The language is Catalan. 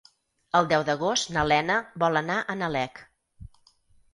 El deu d'agost na Lena vol anar a Nalec.